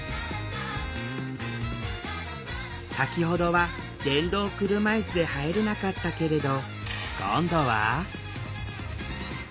先ほどは電動車いすで入れなかったけれど今度は？